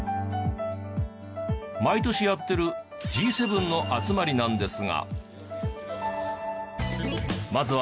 毎年やってるＧ７の集まりなんですが。